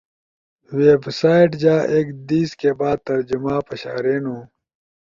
ویب سائٹ جا ایک دھیس کے بعد ترجمہ پشارینُو۔